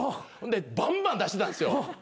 でバンバン出してたんですよ。